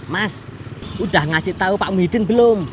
mas udah ngasih tahu pak muhyiddin belum